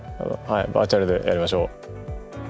はいバーチャルでやりましょう。